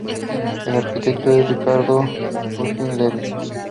El arquitecto es Ricardo Bofill Levi.